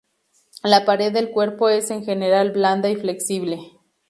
La pared del cuerpo es en general blanda y flexible.